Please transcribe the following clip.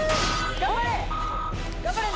頑張れ。